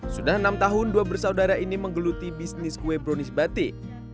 sudah enam tahun dua bersaudara ini menggeluti bisnis kue brownies batik